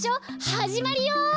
はじまるよ！